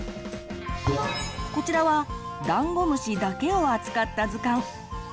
こちらはダンゴムシだけを扱った図鑑。